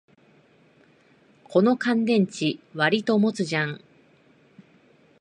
この乾電池、わりと持つじゃん